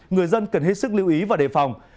người dân cần hết sức lưu ý và đề phòng